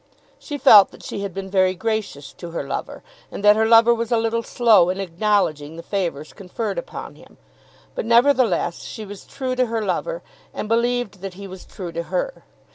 She felt that she had been very gracious to her lover, and that her lover was a little slow in acknowledging the favours conferred upon him. But, nevertheless, she was true to her lover, and believed that he was true to her.